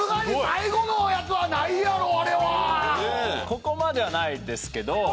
ここまではないですけど。